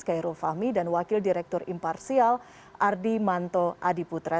kairul fahmi dan wakil direktur imparsial ardi manto adiputra